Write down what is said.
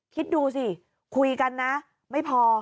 คิดดูสิคุยกันนะไม่พอ